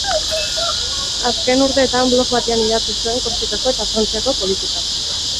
Azken urteetan blog batean idatzi zuen Korsikako eta Frantziako politikaz.